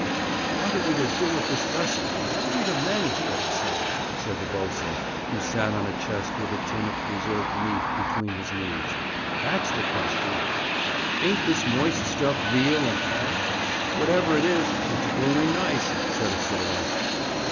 'What are we to do with this vessel, and how are we to manage for ourselves?' said the boatswain, who sat on a chest with a tin of preserved meat between his knees. 'That's the question.' 'Ain't this moist stuff veal and 'am?' Whatever it is, it's blooming nice,' said a sailor.